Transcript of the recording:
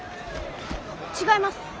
違います！